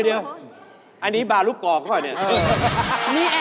เพราะว่ารายการหาคู่ของเราเป็นรายการแรกนะครับ